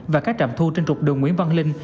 và các trạm thu trên trục đường nguyễn văn linh